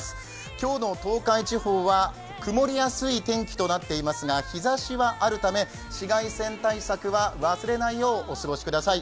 今日の東海地方は曇りやすい天気となっていますが、日ざしはあるため、紫外線対策は忘れないようお過ごしください。